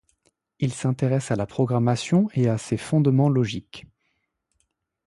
Il s'intéresse à la programmation et à ses fondements logiques.